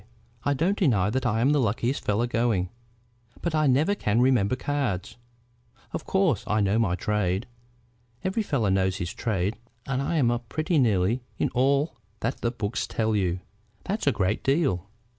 I don't deny that I'm the luckiest fellow going; but I never can remember cards. Of course I know my trade. Every fellow knows his trade, and I'm up pretty nearly in all that the books tell you." "That's a great deal."